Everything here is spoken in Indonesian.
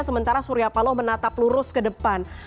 sementara surya paloh menatap lurus ke depan